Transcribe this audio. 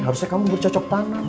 harusnya kamu bercocok tanam